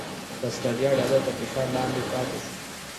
د اسټرالیا ډالر تر فشار لاندې پاتې شو؛